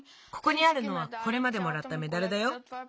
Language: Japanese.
ここにあるのはこれまでもらったメダルだよ。